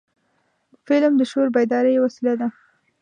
فلم د شعور بیدارۍ یو وسیله ده